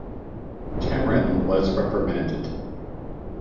Cameron was reprimanded.